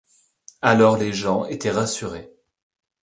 Alors les gens étaient rassurés.